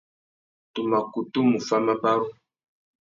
Tu mà kutu mù fá mabarú.